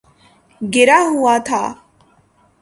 گرا ہوا تھا